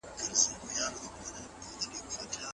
راتلونکی به له اوس څخه ډېر ښه وي.